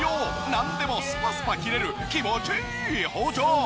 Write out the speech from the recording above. なんでもスパスパ切れる気持ちいい包丁。